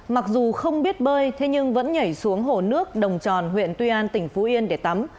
mặc dù không biết bơi thế nhưng vẫn nhảy xuống hồ nước đồng tròn huyện tuy an tỉnh phú yên để tắm